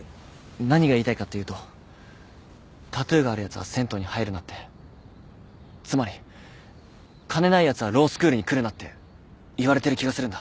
何が言いたいかっていうとタトゥーがあるやつは銭湯に入るなってつまり金ないやつはロースクールに来るなって言われてる気がするんだ。